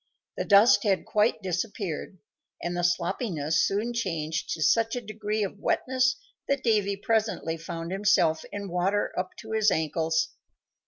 The dust had quite disappeared, and the sloppiness soon changed to such a degree of wetness that Davy presently found himself in water up to his ankles.